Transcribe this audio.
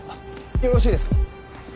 よろしいですか？